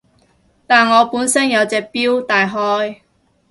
但我本身有隻錶戴開